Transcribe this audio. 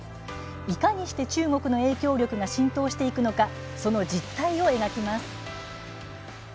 いかにして中国の影響力が浸透していくのかその実態を描きます。